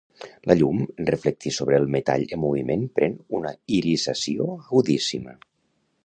La llum en reflectir sobre el metall en moviment pren una irisació agudíssima